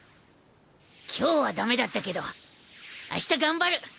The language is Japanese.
今日は駄目だったけどあした頑張る。